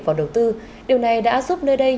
vào đầu tư điều này đã giúp nơi đây